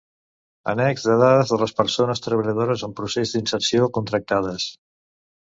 Annex de dades de les persones treballadores en procés d'inserció contractades.